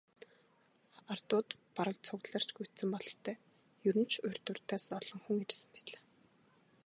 Ардууд бараг цугларч гүйцсэн бололтой, ер нь ч урьд урьдаас олон хүн ирсэн байлаа.